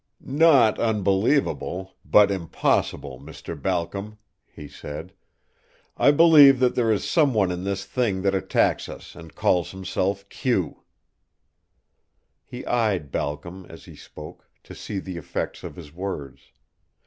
"Not unbelievable, but impossible, Mr. Balcom," he said. "I believe that there is some one in this thing that attacks us and calls himself Q." He eyed Balcom as he spoke, to see the effects of his words.